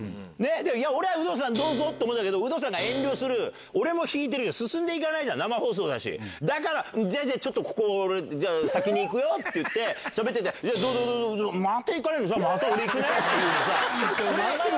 いや、俺は有働さんどうぞって思ったけど、有働さんが遠慮する、俺も引いてると、進んでいかないじゃん、生放送だし、だから、じゃあじゃあ、ちょっと俺、じゃ先にいくよって言って、しゃべってて、どうぞ、どうぞ、また俺いくね？